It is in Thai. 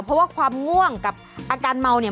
เพราะว่าความง่วงกับอาการเมาเนี่ย